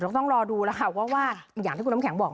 ต้องรอดูแล้วค่ะว่าอย่างที่คุณน้ำแข็งบอก